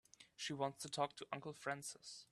She wants to talk to Uncle Francis.